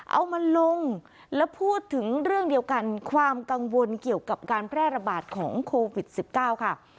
เอามาลงแล้วพูดถึงเรื่องเดียวกันความกังวลเกี่ยวกับการแพร่ระบาดของโควิด๑๙ค่ะ